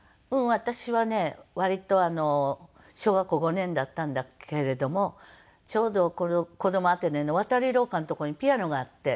私はね割と小学校５年だったんだけれどもちょうどコドモアテネの渡り廊下の所にピアノがあって。